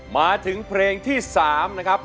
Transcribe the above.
มาถึงเพลงที่สาม